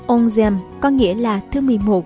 ông giềm có nghĩa là thứ một mươi một